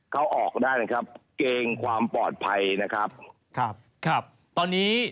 เขาออกได้นะครับเกรงความปลอดภัยนะครับครับครับตอนนี้